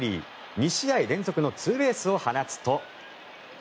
２試合連続のツーベースを放つと。